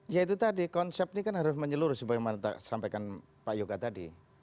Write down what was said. ya itu tadi konsep ini kan harus menyeluruh sebagaimana sampaikan pak yoga tadi